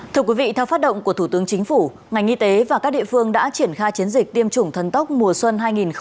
thưa quý vị theo phát động của thủ tướng chính phủ ngành y tế và các địa phương đã triển khai chiến dịch tiêm chủng thần tốc mùa xuân hai nghìn hai mươi